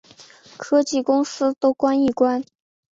科技公司都关一关